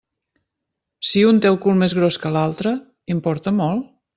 Si un té el cul més gros que l'altre, importa molt?